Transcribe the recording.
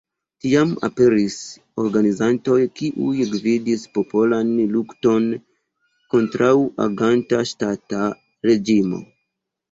Tiam aperis organizantoj kiuj gvidis popolan lukton kontraŭ aganta ŝtata reĝimo.